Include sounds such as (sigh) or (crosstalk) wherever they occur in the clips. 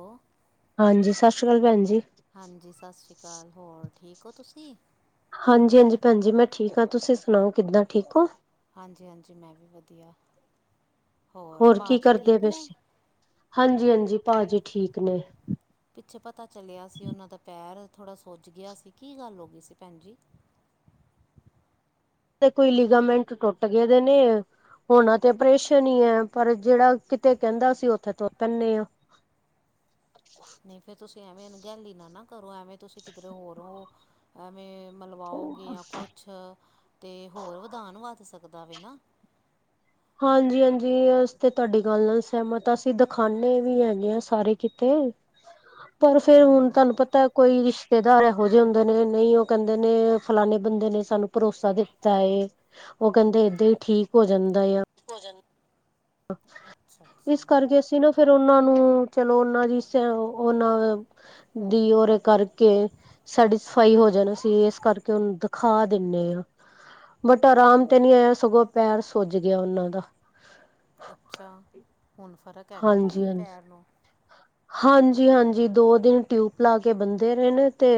ਉਹ ਹਾਂਜੀ, ਸਤਿ ਸ਼੍ਰੀ ਅਕਾਲ ਭੈਣ ਜੀ। ਹਾਂਜੀ, ਸਤਿ ਸ਼੍ਰੀ ਅਕਾਲ, ਹੋਰ ਠੀਕ ਹੋ ਤੁਸੀਂ? ਹਾਂਜੀ-ਹਾਂਜੀ, ਭੈਣਜੀ ਮੈਂ ਠੀਕ ਹਾਂ ਤੁਸੀਂ ਸੁਣਾਓ ਕਿੱਦਾਂ ਠੀਕ ਔ? ਹਾਂਜੀ-ਹਾਂਜੀ, ਮੈਂ ਵੀ ਵਧੀਆ ਹੋਰ ਭਾਜੀ ਠੀਕ ਨੇ? ਹਾਂਜੀ-ਹਾਂਜੀ ਭਾਜੀ ਠੀਕ ਨੇ, ਪਿੱਛੇ ਪਤਾ ਚਲਿਆ ਸੀ, ਉਹਨਾਂ ਦਾ ਪੈਰ ਥੋੜ੍ਹਾ ਸੁਜ ਗਿਆ ਸੀ ਕੀ ਗੱਲ ਹੋ ਗਈ ਸੀ ਭੈਣ ਜੀ। ਤੇ ਕੋਈ ਲਿਗਾਮੈਂਟ ਟੁੱਟ ਗਏ ਦੇ ਨੇ। ਹੋੁਣਾ ਤੇ ਪਰੇਸ਼ਾਨ ਹੀ ਹੈ, ਪਰ ਜਿਹੜਾ ਕਿਤੇ ਕਹਿੰਦਾ ਅਸੀ ਉੱਥੇ ਤੁਰ ਪੈਂਦੇ ਹਾਂ। ਨਹੀਂ ਫੇਰ ਤੁਸੀਂ ਐਵੇਂ ਗੈਲੀ ਨਾ-ਨਾ ਕਰੋ, ਐਵੇਂ ਤੁਸੀਂ ਕਿਧਰੇ ਹੋਰ ਹੋ। ਐਵੇਂ ਮਲਵਾਓਗੇ, ਜਾਂ ਕੁਛ ਤੇ ਹੋਰ ਵਿਧਾਨ ਵੱਧ ਸਕਦਾ ਵ ਨਾ ਹਾਂਜੀ-ਹਾਂਜੀ, ਅਸੀ ਤੇ ਤੁਹਾਡੀ ਗੱਲ ਨਾਲ ਸਹਿਮਤ ਅਸੀਂ ਦਿਖਾਦੇ ਵੀ ਹੈਗੇ, ਸਾਰੇ ਕਿਤੇ (inaudible) ਪਰ ਫੇਰ ਹੁਣ ਹੂੰ ਤੁਹਾਨੂੰ ਪਤਾ ਕੋਈ, ਰਿਸ਼ਤੇਦਾਰ ਇਹੋ ਜਿਹੇ ਹੁੰਦੇ ਨੇ, ਨਹੀਂ ਉਹ ਕਹਿੰਦੇ ਨੇ ਫਲਾਨੇ ਬੰਦੇ ਨੇ ਸਾਨੂੰ ਭਰੋਸਾ ਦਿੱਤਾ ਹੈ। ਉਹ ਕਹਿੰਦੇ ਏਦਾਂ ਹੀ ਠੀਕ ਹੋ ਜਾਂਦਾ ਆ। ਭੋਜਨ, ਇਸ ਕਰਕੇ ਸਿਰਫ ਫਿਰ ਉਹਨਾਂ ਨੂੰ ਚਲੋ, ਉਹਨਾਂ ਦੀ ਉਹਨਾਂ ਦੀ ਔਰੇ ਕਰਕੇ। ਸੈਟਿਸਫਾਈ ਹੋ ਜਾਣਾ ਸੀ, ਇਸ ਕਰਕੇ ਉਹਨੂੰ ਦਿਖਾ ਦਿੰਦੇ ਹਾਂ। ਬਟ ਆਰਾਮ ਤੇ ਨੀ ਆਇਆ ਸਗੋਂ ਪੈਰ ਸੁੱਜ ਗਿਆ ਉਹਨਾਂ ਦਾ ਅੱਛਾ ਹੁਣ ਫਰਕ ਹਾਂਜੀ ਹਾਂਜੀ ਹਾਂਜੀ ਜੀ ਹਾਂਜੀ ਦੋ ਦਿਨ ਟਿਊਬ ਲਾ ਕੇ ਬੰਦੇ ਰਹੇ ਨੇ ਤੇ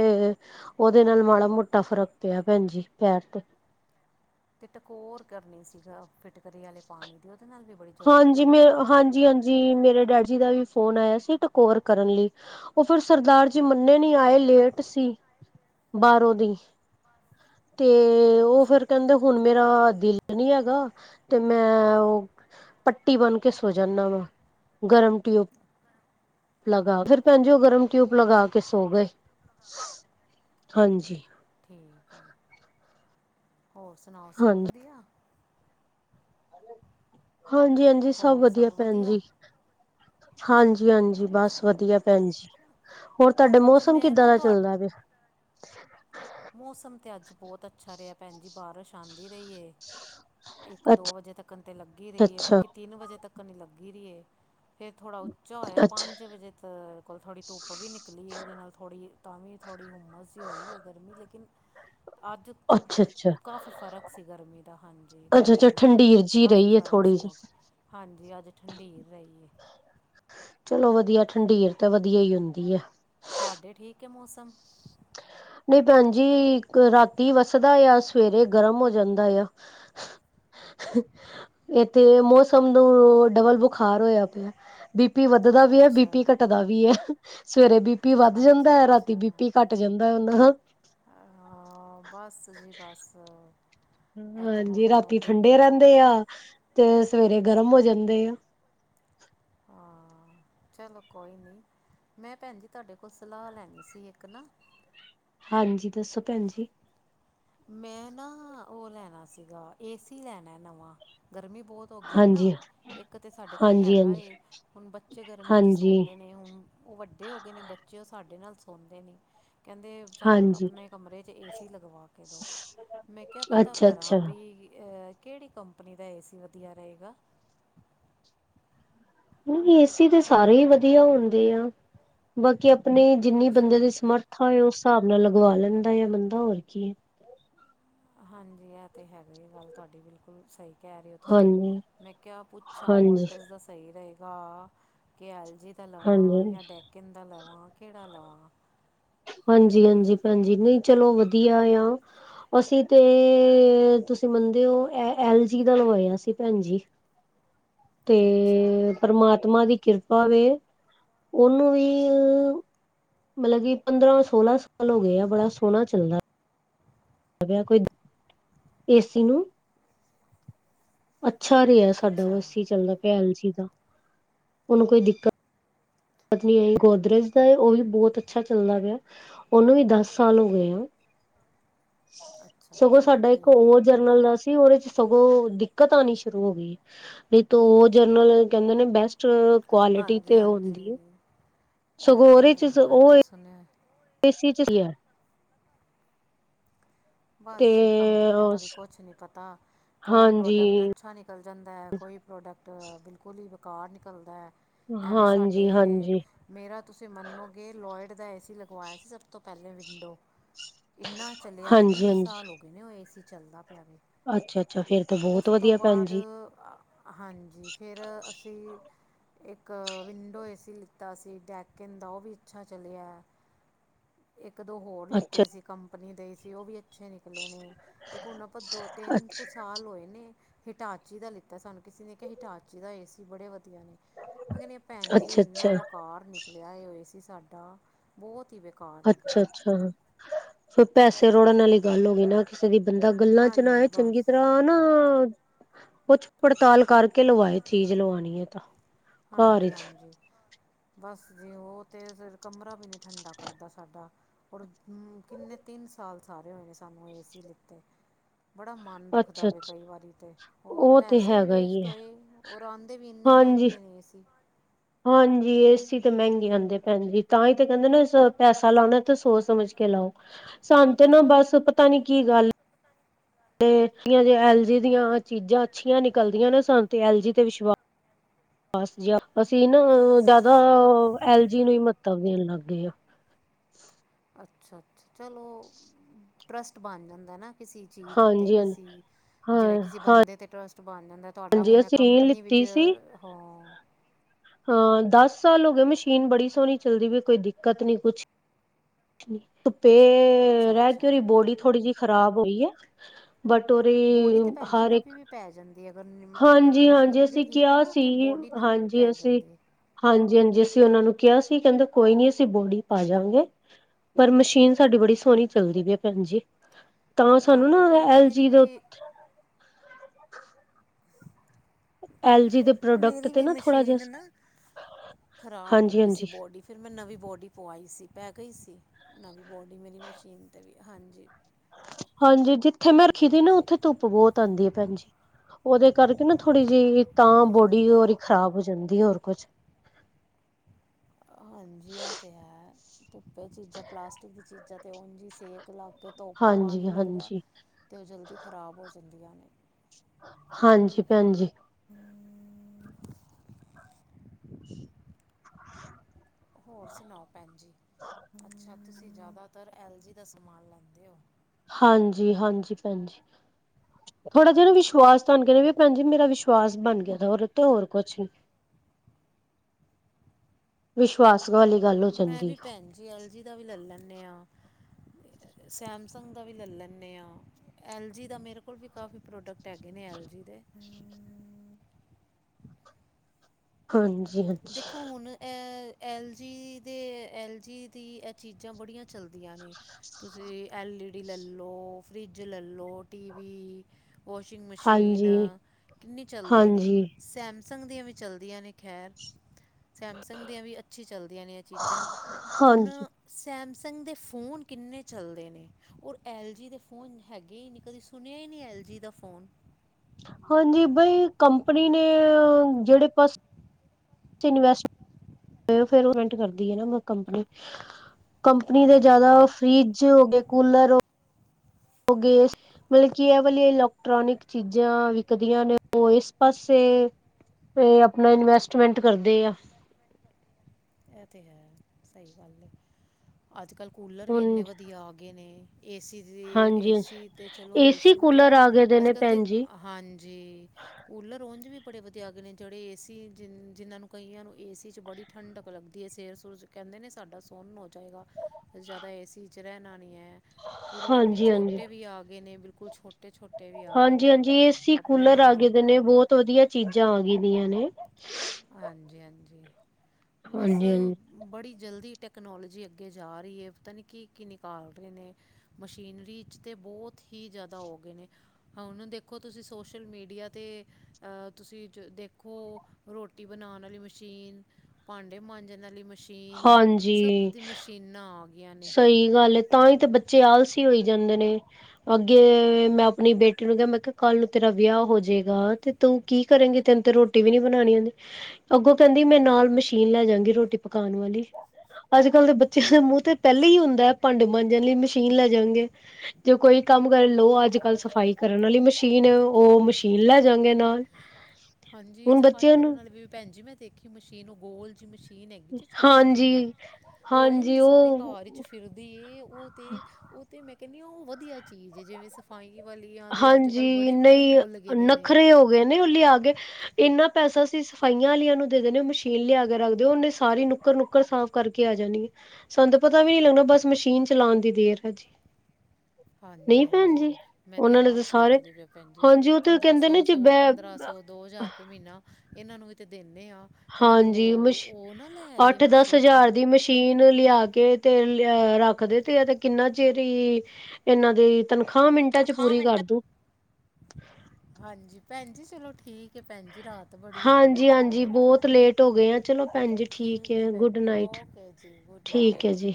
ਉਹਦੇ ਨਾਲ ਮਾੜਾ ਮੋਟਾ ਫ਼ਰਕ ਪਿਆ ਭੈਣ ਜਜੀ ਪੈਰ ਤੇ ਤੇ ਟਕੋਰ ਕਰਨੀ ਸੀਗਾ ਫਿਟਕਰੀ ਵਾਲੇ ਪਾਣੀ ਦੀ ਉਹਦੇ ਨਾਲ ਵੀ ਬੜੀ ਜਲਦੀ ਹਾਂਜੀ ਫ਼ਰਕ ਮੇ ਪੈਂਦਾ ਹਾਂਜੀ ਹਾਂਜੀ ਮੇਰੇ ਡੈਡੀ ਜ ਦਾ ਵੀ ਫੋਨ ਆਇਆ ਸੀ ਟਕੋਰ ਕਰਨ ਲਈ ਉਹ ਫਿਰ ਸਰਦਾਰ ਜੀ ਮੰਨੇ ਨਹੀਂੀ ਆਏ ਲੇਟ ਸੀ ਬਾਰੋਂ ਦੀ ਤੇ ਉਹ ਅੱਛਾ ਫੇਿਰ ਕਹਿੰਦੇ ਹੁਣ ਮੇਰਾ ਦਿਲ ਨੀ ਹੈਗਾ ਤੇ ਮੈਂ ਉਹ ਪੱਟੀ ਬਣ ਕੇ ਸੋ ਜਾਂਦਾ ਵਾਂ ਗਰਮ ਟਿਊਬ ਲਗਾ ਫਿਰ ਭੈ ਜ ਉਹ ਗਰਮ ਟਿਊਬ ਅ ਲਗਾ ਕੇ ਸੋ ਗਏ ਹਾਂਜੀ ਠੀਕ ਹੈ ਹੋਰ ਸੁਣਾਓ ਸਭ ਹਾਂਜੀ ਵਧੀਆ ਹਾਂਜੀ ਹਾਂਜੀ ਸਭ ਵਧੀਆ ਭੈਣ ਜੀ ਹਾਂਜੀ ਹਾਂਜੀ ਬਸ ਅੱਛਾ ਵਧੀਆ ਭੈਣਜੀ ਹੋਰ ਤੁਹਾਡੇ, ਅੱਛਾ ਮੌਸਮ ਮੈਂ ਕਿੱਦਾਂ ਨਾ ਦਾ ਤੁਹਾ ਚੱਲਦਾ ਫੇਰ ਅ ਮੌਸਮ ਤੇ ਅੱਜ ਬਹੁਤ ਅੱਛਾ ਰਿਹਾ, ਭੈਣ ਜੀ ਬਾਰਿਸ਼ ਆਦੀ ਰਹੀ ਏ। ਇੱਕ ਦੋ ਅੱਛਾ ਵਜੇ ਤੱਕ ਤੇ ਲੱਗੀ ਰਹੀ ਹੈ, ਅੱਛਾ ਬਲਕਿ ਤਿੰਨ ਵਜੇ ਤੱਕ ਲੱਗੀ ਰਹੀ। ਫਿਰ ਥੋੜ੍ਹਾ ਉੱਚਾ ਹੋਇਆ, ਅੱਛਾ ਅੱਛਾ ਪੰਜ ਵਜੇ ਤ ਕੋਲ ਥੋੜੀ ਧੁੱਪ ਵੀ ਨਿਕਲੀ, ਉਹਦੇ ਨਾਲ ਥੋੜੀ ਤਾਂ ਵੀ ਥੋੜੀ ਉਮਰ ਜੀ ਹੋਈ। ਗਰਮੀ ਲੇਕਿਨ ਅੱਜ ਅੱਛਾ ਅੱਛਾ ਕਾਫੀ ਫ਼ਰਕ ਸੀ ਗਰਮੀ ਦਾ ਹਾਂਜੀ, ਕੱਲ੍ਹ ਅੱਛਾ ਨਾਲੋਂ ਨਾ ਠੰਡੀਰ ਜੀ ਕਾਫੀ ਰਹੀ ਹੈ ਫ਼ਰਕ ਥੋੜ੍ਹੀ ਸੀ ਜਿਹੀ ਅੱਜ ਹਾਂਜੀ ਅੱਜ ਠੰਡੀਰ ਰਹੀ ਹੈ ਚਲੋ ਵਧੀਆ ਠੰਡੀਰ ਤਾਂ ਵਧੀਆ ਹੀ ਹੁੰਦੀ ਹੈ ਤੁਹਾਡੇ ਠੀਕ ਹੈ ਮੌਸਮ ਨਹੀਂ ਭੈਣ ਜੀ ਰਾਤੀ ਵਸਦਾ ਆ ਸਵੇਰੇ ਗਰਮ ਹੋ ਜਾਂਦਾ ਆ ਇਥੇ ਮੌਸਮ ਨੂੰ ਡਬਲ ਬੁਖਾਰ ਹੋਇਆ ਪਿਆ ਬੀ ਪੀ ਵੱਧਦਾ ਵੀ ਹੈ ਅੱਛਾ ਬੀਪੀ ਘੱਟਦਾ ਵੀ ਹੈ ਸਵੇਰੇ ਬੀਪੀ ਵੱਧ ਅੱਛਾ ਜਾਂਦਾ ਹੈ ਰਾਤੀ ਅੱਛਾ ਬੀਪੀ ਘੱਟ ੱਟ ਜਾਂਦਾ ਉਹਨਾਂ ਦਾ ਹਾਂ ਬਸ ਜੀ ਬਸ ਇਹ ਤੇ ਹਾਂਜੀ ਹੁਣ ਰਾਤੀ ਠੰਡੇ ਦੇਖੋ ਰਹਿੰਦੇ ਆ ਤੇ ਸਵੇਰੇ ਗਰਮ ਹੋ ਜਾਂਦੇ ਆ ਹਾਂ ਚਲੋ ਕੋਈ ਨਹੀਂ ਮੈਂ ਭੈਣ ਜੀ ਤੁਹਾਡੇ ਕੋਲ ਸਲਾਹ ਲੈਣੀ ਸੀ ਇੱਕ ਨਾ ਹਾਂਜੀ ਦੱਸੋ ਭੈਣ ਜੀ ਮੈਂ ਨਾ ਉਹ ਲੈਣਾ ਸੀਗਾ ਏ ਸੀ ਲੈਣਾ ਨਵਾਂ ਗਰਮੀ ਬਹੁਤ ਧੋ ਗ ਨਾ ਹਾਂਜੀ, ਇੱਕ ਤਾਂ ਸਾਡੇ ਕੋਲ ਹਾਂਜੀ, ਹੈਗਾ ਹਾਂਜੀ, ਏ ਹੁਣ ਬੱਚੇ ਗਰਮੀ 'ਚ ਹਾਂਜੀ, ਸੌਂਦੇ ਨੇ ਹੁਣ ਉਹ ਵੱਡੇ ਹੋ ਗਏ ਨੇ ਬੱਚੇ ਉਹ ਸਾਡੇ ਨਾਲ ਸੁਣਦੇ ਨਹੀਂ ਕਹਿੰਦੇ ਸਾਨੂੰ ਹਾਂਜੀ। ਆਪਣਾ ਕਮਰੇ 'ਚ ਏ ਸੀ ਲਗਵਾ ਕੇ ਦਿਉ ਮੈਂ ਕਿਹ ਪਤਾ ਅੱਛਾ, ਅੱਛਾ। ਕਰਾਂ ਵੀ ਕਿਹੜੀ ਕੰਪਨੀ ਦਾ ਏ ਸੀ ਵਧੀਆ ਰਹੇਗਾ ਨਹੀਂ ਏਸੀ ਤੇ ਸਾਰੇ ਹੀ ਵਧੀਆ ਹੁੰਦੇ ਆ ਬਾਕੀ ਆਪਣੇ ਜਿੰਨੀ ਬੰਦੇ ਅੱਛਾ ਦੇ ਸਮਰਥ ਥਾ ਉਸ ਹਿਸਾਬ ਨਾਲ ਲਗਵਾ ਲੈਂਦਾ ਆ ਬੰਦਾ ਹੋਰ ਕੀ ਹੈ, ਹਾਂਜੀ ਇਹ ਤੇ ਹੈਗਾ, ਗੱਲ ਤੁਹਾਡੀ ਬਿਲਕੁਲ ਸਹੀ ਕਹਿ ਰਹੇ ਹੋ ਤੁਸੀਂ ਹਾਂਜੀ, ਮੈਂ ਕਿਹਾਿਆ ਪੁੱਛਾਂ ਹਾਂਜੀ, ਵੋਲਟਜ ਦਾ ਸਹੀ ਰਹੇਗਾ ਕਿ ਐਲ ਜੀ ਦਾ ਲਵਾਂ ਹਾਂਜੀ। ਜਾਂ ਡੈਕਿਨ ਦਾ ਲਵਾਂ ਕਿਹੜਾ ਲਵਾਂ ਹਾਂਜੀ ਹਾਂਜੀ ਭੈਣਜੀ ਨਹੀਂ ਚਲੋ ਵਧੀਆ ਆ ਅਸੀਂ ਤੇ ਤੁਸੀਂ ਮੰਨਦੇ ਹੋ ਐਲ ਜੀ ਦਾ ਲਵਾਇਆ ਸੀ ਭੈਣ ਜੀ, ਤੇ ਅੱਛਾ ਪਰਮਾਤਮਾ ਦੀ ਕਿਰਪਾ ਵੇ ਉਹਨੂੰ ਵੀ ਅ ਮਤਲਬ ਕਿ ਪੰਦਰਾਂ ਸੋਲਾਂ ਸਾਲ ਹੋ ਗਏ ਆ ਬੜਾ ਸੋਹਣਾ ਚੱਲਦਾ ਕੋਈ ਏ ਸੀ ਨੂੰ ਅੱਛਾ ਰਿਹਾ ਸਾਡਾ ਅੱਛਾ ਬਸ ਹੀ ਚੱਲਦਾ ਪਿਆ ਜੀ ਦਾ ਉਹਨੂੰ ਕੋਈ ਦਿੱਕਤ ਪਤਾਂ ਗੋਦਰਰੇਜ ਦਾ ਹੈ ਉਹ ਵੀ ਬਹੁਤ ਅੱਛਾ ਚੱਲਦਾ ਪਿਆ ਉਹਨੂੰ ਵੀ ਦਸ ਸਾਲ ਹੋ ਗਏ ਆ ਅੱਛਾ ਸਗੋਂ ਅੱਛਾ ਸਾਡਾ ਇੱਕ ਠੀਕ ਹੋਰ ਹੈ ਜਰਨਲ ਦਾ ਉਹਦੇ ਚ ਸਗੋਂ ਦਿੱਕਤ ਆਉਣੀ ਸ਼ੁਰੂ ਹੋ ਗਈ ਵੀ ਉਹ ਜਨਰਲ ਕਹਿੰਦੇ ਨੇ ਬੈਸਟ। ਕੁਆਲਿਟੀ ਹਾਂਜੀ ਤੇ ਹਾਂਜੀ ਹੁੰਦੀ ਹੈ ਸਗੋ ਚ ਉਹ ਸੁਣ ਦੇਸੀ ਚ ਹੀ। ਤੇ ਬਸ ਜੀ ਕੰਪਨੀਆਂ ਦਾ ਵੀ ਹਾਂਜੀ ਕੁਛ ਨਹੀਂ ਪਤਾ ਕੋਈ ਪ੍ਰੋਡਕਟ ਹਾਂਜੀ ਅੱਛਾ ਨਹੀਂ। ਨਿਕਲ ਜਾਂਦਾ ਕੋਈ ਪ੍ਰੋਡਕਟ ਬਿਲਕੁਲ ਹੀ ਬੇਕਾਰਕਾਰ ਨਿਕਲਦਾ। ਐਵੇਂ ਹਾਂਜੀ ਸਾਡੇ। ਹਾਂਜੀ ਮੇਰਾ ਤੁਸੀਂ ਮੰਨੋਗੇ ਲੋਇਡ ਦਾ ਏਸੀ ਲਗਵਾਇਆ ਸੀ ਸਭ ਤੋਂ ਪਹਿਲੇ ਵਿੰਡੋ। ਇੰਨਾ ਚੱਲਿਆ ਵੀ। ਹਾਂਜੀ ਲੋਕ ਨੇ ਉਹ ਏਸੀ ਚੱਲਦਾ ਪਿਆ ਵੀ ਅੱਛਾ ਅੱਛਾ ਫੇਰ ਤਾਂ ਉਸ ਬਹੁਤ ਤੋਂ ਵਧੀਆ ਭੈਣ ਬਾਅਦ। ਜੀ ਹਾਂਜੀ ਫਿਰ ਅਸੀਂ। ਇੱਕ ਵਿੰਡੋ ਏ ਸੀ ਲਿੱਤਾ ਸੀ ਡੈਕਿਨ ਦਾ ਉਹ ਵੀ ਅੱਛਾ ਚਲਿਆ ਇੱਕ ਦੋ ਹੋਰ ਅੱਛਾ ਲਿੱਤੇ ਸੀ ਕੰਪਨੀ ਦੇ ਸੀ ਉਹ ਵੀ ਅੱਛੇ ਨਿਕਲੇ ਨੇ ਇੱਕ ਹੁਣ ਆਪਾਂ ਦੋ ਤਿੰਨ ਕੁ ਅੱਛਾ ਸਾਲ ਹੋਏ ਨੇ ਹਿਟਾਚੀ ਦਾ ਲਿੱਤਾ ਸਾਨੂੰ ਕਿਸੇ ਨੇ ਕਿਹਾ ਹਿਟਾਚੀ ਦਾ ਏ ਸੀ ਬੜੇ ਵਧੀਆ ਨੇ ਮੈਂ ਕਹਿੰਦੇ ਭੈਣ ਜੀ ਅੱਛਾ ਇੰਨਾ ਅੱਛਾ ਬੇਕਾਰ ਨਿਕਲਿਆ ਇਹ ਹੋਏ ਸੀ ਸਾਡਾ ਬਹੁਤ ਹੀ ਬੇਕਾਰ ਅੱਛਾ ਨਿਕਲਿਆ। ਅੱਛਾ ਫਿਰ ਪੈਸੇ ਰੋੜਨ ਵਾਲੀ ਗੱਲ ਹੋਵੇ ਨਾ ਕਿਸੇ ਦੀ ਬੰਦਾ ਗੱਲਾਂ ਚ ਹਾਂਜੀ ਨਾਏ ਚੰਗੀ ਬਸ ਤਰ੍ਹਾਂ। ਨਾ ਕੁਛ ਪੜਤਾਲ ਕਰਕੇ ਲਵਾਏ ਚੀਜ਼ ਲਵਾਉਣੀ ਹੈ ਤਾਂ। ਘਰ ਹਾਂਜੀ- ਵਿਚ ਹਾਂਜੀ ਬਸ ਜੀ ਉਹ ਤੇ ਕਮਰਾ ਵੀ ਨਹੀਂ ਠੰਡਾ ਕਰਦਾ ਸਾਡਾ‌। ਔਰ ਕਿੰਨੇ ਤਿੰਨ ਸਾਲ ਸਾਰੇ ਹੋਏ ਨੇ ਸਾਨੂੰ ਏਸੀ ਲਿੱਤੇ। ਬੜਾ ਮਨ ਦੁਖਦਾ ਅੱਛਾ ਵਵੇ ਅੱਛਾ ਕਈ ਵਾਰੀ ਤਾਂ। ਹੋਰ ਉਹ ਤੇ ਪੈਸੇ ਹੀ ਹੈਗਾ ਵੇਸਟ ਹੈ ਹੋਏ ਰ ਆਉਂਦੇ ਵੀ ਇੰਨੇ ਹਾਂਜੀ ਮਹਿੰਗੇ ਏਸੀ। ਹਾਂਜੀ ਏਸੀ ਤੇ ਮਹਿੰਗੇ ਆਉਂਦੇ ਭੈਣ ਜੀ ਤਾਂ ਹੀ ਤਾਂ ਕਹਿੰਦੇ ਨਾ ਪੈਸਾ ਲਾਉਣਾ ਤੇ ਸੋਚ ਸਮਝ ਕੇ ਲਾਓ। ਸਾਂਤ ਨਾ ਬਸ ਪਤਾ ਨੀ ਕੀ ਗੱਲ। ਤੇ ਚੀਜ਼ਾਂ ਜੇ ਐਲ ਜੀ ਦੀਆਂ ਚੀਜ਼ਾਂ ਅੱਛੀਆਂ ਨਿਕਲਦੀਆਂ ਨੇ ਸਨ ਤੇ ਐਲ ਜੀ ਤੇ ਵਿਸ਼ਵਾਸ। ਬਸ ਜੀ ਅਸੀਂ ਨਾ ਜਿਆਦਾ ਐਲ ਜੀ ਨੂੰ ਹੀ ਮਹੱਤਵ ਦੇਣ ਲੱਗ ਗਏ ਆ। ਅੱਛਾ -ਅੱਛਾ ਚਲੋ ਟਰੱਸਟ ਬਣ ਜਾਂਦਾ ਨਾ। ਕਿਸੀ ਚੀਜ਼ ਉੱਤੇ ਹਾਂਜੀ ਹਾਂਜੀ ਕਿਸੀ। ਜਿਵੇਂ ਹਾਂ ਕਿਸੇ ਬੰਦੇ ਤੇ ਟਰਸਟ ਬਣ ਜਾਂਦਾ ਤੁਹਾਡਾ ਹਾਂਜੀ ਹੁਣ ਅਸੀਂ ਮਸ਼ੀਨ ਕੰਪਨੀ ਵਿੱਚ ਲਿੱਤੀ ਸੀ। ਹਾਂ। ਹਾਂ ਦਸ ਸਾਲ ਹੋ ਗਏ ਮਸ਼ੀਨ ਬੜੀ ਸੋਹਣੀ ਚੱਲਦੀ ਵੀ ਕੋਈ ਦਿੱਕਤ ਨੀ ਕੁਛ। ਧੁੱਪੇ ਅੱਛਾ ਰਹਿ ਕੇ ਅੱਛਾ ਉਹਦੀ ਬੋਡੀ ਥੋੜੀ ਜਿਹੀ ਖਰਾਬ ਹੋਈ ਹੈ। ਬਟ ਉਸ ਬੋਡੀ ਦੀ ਤੇ ਭੈਣ ਜੀ ਹਰ ਨਵੀਂ ਇੱਕ। ਵੀ ਪੈ ਜਾਂਦੀ ਅਗਰ ਨਿ ਹਾਂਜੀ-ਹਾਂਜੀ ਮਸ਼ੀਨੀ ਅਸੀਂ ਠੀਕ ਹੈ ਕਿਹਾ ਨਾ ਸੀ ਤਾਂ ਬੋਡੀ ਨਵੀਂ ਵੀ ਪੈ ਜਾਂਦੀ ਹੈ। ਹਾਂਜੀ -ਹਾਂਜੀ ਅਸੀਂ ਉਹਨਾਂ ਨੂੰ ਕਿਹਾ ਸੀ ਕਹਿੰਦੇ ਕੋਈ ਨੀ ਅਸੀਂ ਬੋਡੀ ਪਾ ਜਾਗੇ। ਪਰ ਮਸ਼ੀਨ ਸਾਡੀ ਬੜੀ ਸੋਹਣੀ ਚੱਲਦੀ ਪਈ ਭੈਣ ਜ ਤਾਂ ਸਾਨੂੰ ਹਾਂਜੀ ਨਾ ਭੈਣ ਐਲ ਮੇਰੀ ਜੀ ਦੇ। ਵੀ ਐਲ ਜੀ ਦੇ ਪ੍ਰੋਡਕਟ ਮੇਰੀ ਤੇ ਵੀ ਨਾ ਥੋੜਾ ਜਿਹਾ ਮਸ਼ੀਨ ਨਾ ਖ਼ਰਾਬ ਹੋ ਗਈ ਸੀ ਹਾਂਜੀ-ਹਾਂਜੀ ਹਾਂਜੀ ਬੋਡੀ। ਫਿਰ ਮੈਂ ਨਵੀਂ ਬੋਡੀ ਪਵਾਈ ਸੀ ਪੈ ਗਈ ਸੀ ਨਵੀਂ ਬੋਡੀ ਮੇਰੀ ਮਸ਼ੀਨ 'ਤੇ ਵੀ ਹਾਂਜੀ। ਹਾਂਜੀ ਜਿੱਥੇ ਮੈਂ ਰੱਖੀ ਸੀ ਨਾ ਉੱਥੇ ਧੁੱਪ ਬਹੁਤ ਆਉਂਦੀ ਹੈ ਭੈਣ ਜੀ। ਉਹਦੇ ਕਰਕੇ ਨਾ ਥੋੜ੍ਹੀ ਜਿਹੀ ਤਾਂ ਬੋਡੀ ਖ਼ਰਾਬ ਹੋ ਜਾਂਦੀ ਹੋਰ ਕੁਝ। ਹਾਂਜੀ ਇਹ ਤੇ ਹੈ ਧੁੱਪੇ ਚੀਜ਼ਾਂ ਪਲਾਸਟਿਕ ਦੀ ਚੀਜ਼ਾਂ ਤੇ ਉ ਜੀ ਸੇਕ ਲੱਗ। ਕਿ ਧੁੱਪ ਪਾਣੀ ਲੱਗਦਾ ਹਾਂਜੀ-ਹਾਂਜੀ ਹਾਂਜੀ ਅਤੇ ਉਹ ਜਲਦੀ ਖ਼ਰਾਬ ਹੋ ਜਾਂਦੀਆਂ ਨੇ। ਹਾਂ। ਹਾਂਜੀ ਭੈਣ ਜੀ। ਹੋਰ ਸੁਣਾਓ ਭੈਣ ਜੀ ਅੱਛਾ ਤੁਸੀਂ ਜ਼ਿਆਦਾਤਰ ਐਲ ਜੀ ਦਾ ਸਮਾਨ ਲੈਂਦੇ ਹੋ। ਹਾਂਜੀ -ਹਾਂਜੀ ਭੈਣ ਜੀ। ਥੋੜਾ ਜਿਹਾ ਨਾ ਵਿਸ਼ਵਾਸ ਤੁਹਾਨੂੰ ਕਿੰ ਵੀ ਭੈਣ ਮੇਰਾ ਵਿਸ਼ਵਾਸ ਬਣ ਗਿਆ ਹੋ ਤੇ ਹੋਰ ਕੁਛ ਨੀ। ਵਿਸ਼ਵਾਸ ਵਾਲੀ ਗੱਲ ਹੋ ਮੈਂ ਜਾਂਦੀ। ਵੀ ਭੈਣ ਜੀ ਐਲ ਜੀ ਦਾ ਵੀ ਲਈ ਲੈਂਦੇ ਹਾਂ। ਸੈਮਸੰਗ ਦਾ ਵੀ ਲੈ ਲੈਂਦੇ ਹਾਂ ਐੱਲ ਜੀ ਦਾ ਮੇਰੇ ਕੋਲ ਵੀ ਕਾਫੀ। ਪ੍ਰੋਡਕਟ ਹੈਗੇ ਨੇ ਐੱਲ ਜੀ ਦੇ। ਹਾਂਜੀ ਹਾਂਜੀ ਦੇਖੋ ਹੁਣ ਐਲ ਜੀ ਦੇ ਐਲ ਜੀ ਦੀ ਚੀਜ਼ਾਂ ਬੜੀਆਂ ਚੱਲਦੀਆਂ ਨੇ ਤੁਸੀਂ ਐੱਲ ਈ ਡੀ ਲੈ ਲਓ, ਫਰਿੱਜ ਲੈ ਲਓ, ਟੀ ਵੀ ਵੋਸ਼ਿੰਗ ਮਸ਼ੀਨ ਹਾਂਜੀ। ਕਿੰਨੀ ਚੱਲਦੀਆਂ ਨੇ ਹਾਂਜੀ ਸੈਮਸੰਗ ਦੀਆਂ ਵੀ ਚੱਲਦੀਆਂ ਨੇ‌। ਖੈਰ ਸੈਮਸੰਗ ਦੀਆਂ ਵੀ ਅੱਛੀ ਚੱਲਦੀਆਂ ਨੇ ਇਹ ਚੀਜ਼ਾਂ ਹੁਣ ਹਾਂਜੀ। ਸੈਮਸੰਗ ਦੇ ਫੋਨ ਕਿੰਨੇ ਚੱਲਦੇ ਨੇ ਔਰ ਐੱਲ ਜੀ ਦੇ ਫ਼ੋਨ ਹੈਗੇ ਹੀ ਨਹੀਂ ਕਦੀ ਸੁਣਿਆ ਹੀ ਨਹੀਂ ਐੱਲ ਜੀ ਦਾ ਫੋਨ‌। ਹਾਂਜੀ ਬਾਈ ਕੰਪਨੀ ਨੇ ਜਿਹੜੇ ਪਾਸੇ ਇਨਵੈਸਟ ਫਿਰ ਉਹੈਂਟ ਕਰਦੀ ਹੈ ਨਾ ਕੰਪਨੀ। ਕੰਪਨੀ ਦੇ ਹਾਂਜੀ ਜਿਆਦਾ ਫਰਿਜ ਹੋ ਗਏ, ਕੂਲਰ ਹੋ ਗਏ ਮਤਲਬ ਕਿ ਇਹ ਵਾਲੀਆਂ ਇਲੈਕਟ੍ਰੋਨਿਕ ਚੀਜ਼ਾਂ ਵਿਕਦੀਆਂ ਨੇ ਉਹ ਇਸ ਪਾਸੇ ਇਹ ਆਪਣਾ ਇਨਵੈਸਟਮੈਂਟ ਕਰਦੇ ਆ। ਇਹ ਤਾਂ ਹੈ ਸਹੀ ਗੱਲ ਨਹੀਂ ਅੱਜ ਕੱਲ੍ਹ ਕੂਲਰ ਵੀ ਇੰਨੇ ਹੁਣ ਵਧੀਆ ਆ ਗਏ ਨੇ। ਏਸੀ ਦੀ ਹਾਂਜੀ ਏਸੀ ਅਤੇ ਚਲੋ ਏ ਏਸੀ ਸੀ ਕੂਲਰ ਵਧੀਆ ਆ ਗਏ ਦੇ ਅੱਜ ਨੇ ਕੱਲ੍ਹ ਤਾਂ ਭੈਣ ਜੀ ਹਾਂਜੀ। ਜੀ। ਕੂਲਰ ਉਝ ਵੀ ਬੜੇ ਵਧੀਆ ਗਏ ਨੇ ਜਿਹੜੇ ਏਸੀ ਜਿਹਨਾਂ ਨੂੰ ਕਹੀਏ ਉਹ ਨੂੰ ਏਸੀ ਚ ਬੜੀ ਠੰਡ। ਲੱਗਦੀ ਹੈ ਸਰ ਸੁਰ 'ਚ ਕਹਿੰਦੇ ਨੇ ਸਾਡਾ ਸੋਹਨ ਹੋ ਜਾਵੇਗਾ ਅਸੀ ਜ਼ਿਆਦਾ ਏਸੀ 'ਚ ਰਹਿਣਾ ਨਹੀਂ ਹੈ। ਕੂਲਰ ਵੀ ਹਾਂਜੀ ਹਾਂਜੀ ਛੋਟੇ ਵੀ ਆ ਗਏ ਨੇ ਬਿਲਕੁਲ ਛੋਟੇ ਛੋਟੇ ਵੀ ਆ ਗਏ ਹਾਂਜੀ ਨੇ ਹਾਂਜੀ ਏਸੀ ਆਪਣੇ ਕੂਲਰ ਆ ਗਏ ਦੇ ਨੇ ਬਹੁਤ ਵਧੀਆ ਚੀਜ਼ਾਂ ਆ ਗਈ ਦੀਆਂ ਨੇ ਹਾਂਜੀ ਹਾਂਜੀ ਬਸ ਹਾਂਜੀ ਹਾਂਜੀ ਬੜੀ ਜਲਦੀ ਟੈਕਨੋਲੋਜੀ ਅੱਗੇ ਜਾ ਰਹੀ ਹੈ ਪਤਾ ਨਹੀਂ ਕੀ ਕੀ ਨਿਕਾਲ ਰਹੇ ਨੇ। ਮਸ਼ੀਨਰੀ ਚ ਤੇ ਬਹੁਤ ਹੀ ਜ਼ਿਆਦਾ ਹੋ ਗਏ ਨੇ ਹਾਂ ਹੁਣ ਦੇਖੋ, ਤੁਸੀਂ ਸੋਸ਼ਲ ਮੀਡੀਆ ਤੇ ਅਹ ਤੁਸੀਂ ਦੇਖ ਖੋ ਰੋਟੀ ਬਣਾਉਣ ਵਾਲੀ ਮਸ਼ੀਨ, ਭਾਂਡੇ ਮਾਂਜਣ ਵਾਲੀ ਮਸ਼ੀਨ ਮਸ਼ੀਨ, ਸਭ ਹਾਂਜੀ ਦੀ ਮਸ਼ੀਨਾਂ ਆ ਗਈ। ਸਹੀ ਗੱਲ ਤਾਂ ਹੀ ਤੇ ਬੱਚ ਬੱਚੇ ਆਲਸੀ ਹੋਈ ਜਾਂਦੇ ਨੇ ਅੱਗੇ ਮੈਂ ਆਪਣੀ ਬੇਟੀ ਨੂੰ ਕਿਹਾ ਮੈਂ ਕੱਲ ਨੂੰ ਤੇਰਾ ਵਿਆਹ ਹੋਜੇਗਾ ਤੇ ਤੂੰ ਕੀ ਕਰੇਗੀ ਤੈਨੂੰ ਤੇ ਰੋਟੀ ਵੀ ਨੀ ਬਣਾਉਣੀ ਆਂਦੀ। ਅੱਗੋਂ ਕਹਿੰਦੀ ਮੈਂ ਨਾਲ ਮਸ਼ੀਨ ਲੈ ਜਾਂਗੀ ਰੋਟੀ ਪਕਾਉਣ ਵਾਲੀ ਅੱਜ ਕੱਲ ਦੇ ਬੱਚਿਆਂ ਦੇ ਮੂੰਹ ਤੇ ਪਹਿਲੇਾਂ ਹੀ ਹੁੰਦਾ। ਭਾਂਡੇ ਮਾਂਜਣ ਲਈ ਮਸ਼ੀਨ ਲੈ ਜਾਣਗੇ। ਜੇ ਕੋਈ ਕੰਮ ਕਰ ਲਓ ਅੱਜ ਕੱਲ੍ਹ ਸਫ਼ਾਈ ਕਰਨ ਵਾਲੀ ਮਸ਼ੀਨ ਉਹ ਮਸ਼ੀਨ ਲੈ ਜਾਂਗੇ ਨਾਲ। ਹਾਂਜੀ ਹੁਣ ਸਫ਼ਾਈ ਬੱਚਿਆਂ ਕਰਨ ਨੂੰ ਵਾਲੇ ਵੀ ਭੈਣ ਜੀ ਮੈਂ ਦੇਖੀ ਮਸ਼ੀਨ ਉਹ ਗੋਲ ਜੀ ਮਸ਼ੀਨ ਚੀਨ ਹੈਗੀ ਜ ਛੋਟੀ ਹਾਂਜੀ ਜਿੰਨੀ ਉਹ ਹੈ ਹਾਂਜੀ ਸਾਰੇ ਘਰ ਚ ਉਹ ਫਿਰਦੀ ਦੀ ਉਹ ਤਾਂ ਉਹ ਤਾਂ ਮੈਂ ਕਹਿੰਦੀ ਹਾਂ, ਉਹ ਵਧੀਆ ਚੀਜ਼ ਹੈ ਜਿਵੇਂ ਸਫਾਈ ਸਫਾਈ ਵਾਲੀਆਂ, ਦੇ ਅੱਜ -ਕੱਲ੍ਹ ਹਾਂਜੀ ਬੜੇ ਮੂੰਹ ਨਹੀਂ ਖੁੱਲ ਗੇ ਦੇ ਨੇ। ਨਖਰੇ ਹੋ ਗਏ ਨੇ ਉਹ ਲਿਆ ਕੇ ਇੰਨਾ ਪੈਸਾ ਅਸੀਂ ਸਫਾਈਆਂ ਵਾਲੀਆਂ ਨੂੰ ਦੇ ਦਿੰਦੇ ਆ, ਮਸ਼ੀਨ ਲਿਆ ਕੇ ਰੱਖਦੇ ਹੋ ਉਹਨੇ ਸਾਰੀ ਨੁੱਕਰ -ਨੁੱਕਰ, ਸਾਫ਼ ਕਰਕੇ ਆ ਜਾਣੀ ਹੈ। ਸਾਨੂੰ ਤਾਂ ਪਤਾ ਵੀ ਨੀ ਲੱਗਣਾ, ਬਸ ਮਸ਼ੀਨ ਚਲਾਉਣ ਦੀ ਦੇਰ ਹੈ ਜੀ। ਹਾਂਜੀ ਨਹੀਂ ਭੈਣ ਜੀ -ਹਾਂਜੀ। ਮੈੰ ਤੇ ਉਹਨਾਂ ਨੇ ਤਾਂ ਆਪ ਸਾਰੇ ਸੋਚਦੀ ਪਈ ਆ ਭੈਣ ਜੀ, ਹਾਂਜੀ ਉਹ ਤੇ ਪੰਦਰਾਂ ਕਹਿੰਦੇ ਨੇ ਜੇ ਸੌ, ਬੈ ਪੰਦਰਾਂ ਸੌ ਦੋ ਹਜ਼ਾਰ ਰੁਪਏ ਮਹੀਨਾ, ਇਹਨਾਂ ਨੂੰ ਵੀ ਤੇ ਦਿੰਦੇ ਹਾਂ। ਆਈ ਹਾਂਜੀ ਉਹ, ਮਸ਼ ਉਹ ਨਾ ਲੈ ਆਈਏ ਅੱਠ ਦਸ ਮਸ਼ੀਨ। ਹਜ਼ਾਰ ਦੀ ਮਸ਼ੀਨ ਲਿਆ ਕੇ ਤੇ ਰੱਖਦੇ ਤੇ ਆ, ਤੇ ਕਿੰਨਾ ਚਿਰ ਹੀ ਇਹਨਾਂ ਦੇ ਤਨਖਾਹ ਮਿੰਟ ਤਨਖਾਹ ਮਿੰਟਾਂ ਬੜੀ ਹੋ ਗਈ ਹੈ ਹਾਂਜੀ ਭੈਣ ਹਾਂਜੀ ਜੀ। ਬਹੁਤ ਲੇਟ ਹੋ ਗਏ ਆ ਚਲੋ ਭੈਣ ਜੀ ਠੀਕ ਹੈ ਭੈਣ ਗੁੱਡ ਜੀ ਨਾਈਟ ਓਕੇ ਜੀ। ਜੀ, ਗੁੱਡ ਠੀਕ ਹੈ ਨਾਈਟ।, ਜੀ